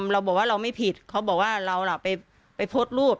เราบอกว่าเราไม่ผิดเขาบอกว่าเราไปโพสต์รูป